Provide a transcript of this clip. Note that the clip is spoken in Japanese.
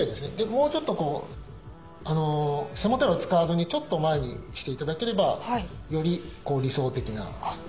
もうちょっと背もたれを使わずにちょっと前にして頂ければより理想的な形に。